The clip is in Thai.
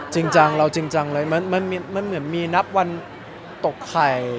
จริงจังเราจริงจังเลยมันเหมือนมีนับวันตกไข่